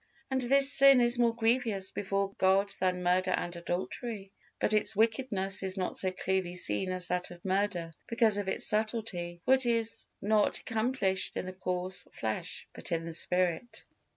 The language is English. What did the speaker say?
And this sin is more grievous before God than murder and adultery; but its wickedness is not so clearly seen as that of murder, because of its subtilty, for it is not accomplished in the coarse flesh, but in the spirit.